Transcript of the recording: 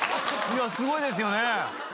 すごいですよね。